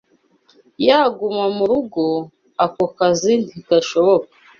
ya guma mu rugo, ako kazi ntigashoboka